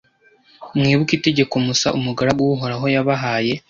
mwibuke itegeko musa, umugaragu w’uhoraho, yabahaye: